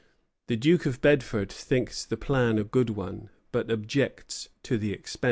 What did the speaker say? _] The Duke of Bedford thinks the plan a good one, but objects to the expense.